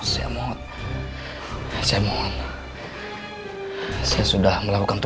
sisi rumah ini